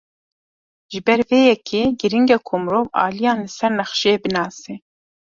Ji ber vê yekê, giring e ku mirov aliyan li ser nexşeyê binase.